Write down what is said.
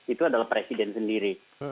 itu adalah presiden sendiri